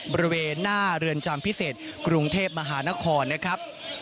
บริเวณหน้าเรือนจำพิเศษกรุงเทพมหานครนะครับ